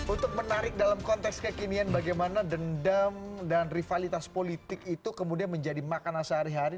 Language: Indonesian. untuk menarik dalam konteks kekinian bagaimana dendam dan rivalitas politik itu kemudian menjadi makanan sehari hari